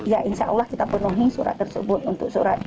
ya insya allah kita penuhi surat tersebut untuk surat